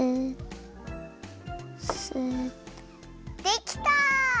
できた！